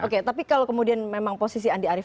oke tapi kalau kemudian memang posisi andi arief